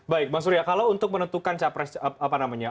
baik mas surya kalau untuk menentukan capres apa namanya